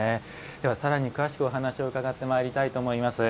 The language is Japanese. さらに詳しくお話を伺ってまいりたいと思います。